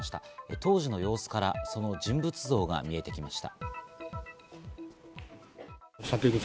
当時の様子からその人物像が見えてきました。